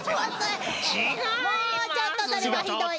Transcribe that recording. もうちょっとそれはひどい。